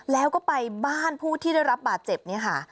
แล้วก็ไปบ้านผู้ที่ได้รับบาดเจ็บเนี่ยค่ะ